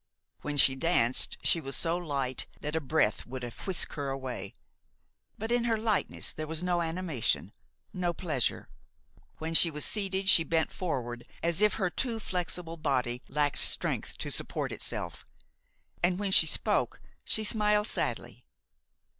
When she danced she was so light that a breath would have whisked her away; but in her lightness there was no animation, no pleasure. When she was seated she bent forward as if her too flexible body lacked strength to support itself, and when she spoke she smiled sadly.